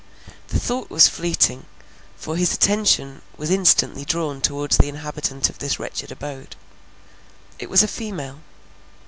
The thought was fleeting; for his attention was instantly drawn towards the inhabitant of this wretched abode. It was a female.